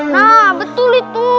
nah betul itu